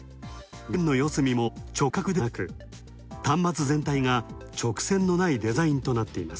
画面の四隅も直角ではなく、端末全体が直線のないデザインとなっています。